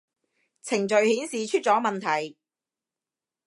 程序顯示出咗問題